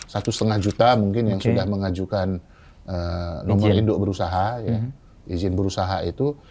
satu lima juta mungkin yang sudah mengajukan nomor induk berusaha izin berusaha itu